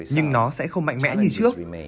nhưng nó sẽ không mạnh mẽ như trước